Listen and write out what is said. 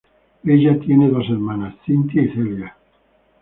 Ella tiene dos hermanas, Cynthia y Celia.